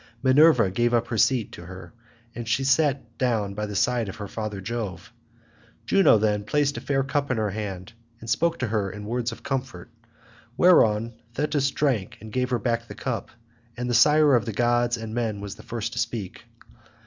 Minerva gave up her seat to her, and she sat down by the side of father Jove. Juno then placed a fair golden cup in her hand, and spoke to her in words of comfort, whereon Thetis drank and gave her back the cup; and the sire of gods and men was the first to speak.